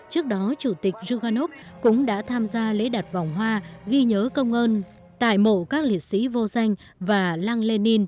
trước đó chủ tịch ruganov cũng đã tham gia lễ đặt vòng hoa ghi nhớ công ơn tài mộ các liệt sĩ vô danh và lăng lê ninh